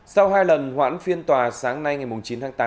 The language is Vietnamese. sau hai lần hoãn phiên tòa sáng nay ngày chín tháng tám